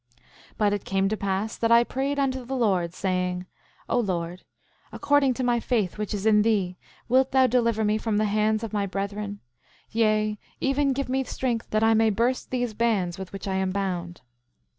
7:17 But it came to pass that I prayed unto the Lord, saying: O Lord, according to my faith which is in thee, wilt thou deliver me from the hands of my brethren; yea, even give me strength that I may burst these bands with which I am bound.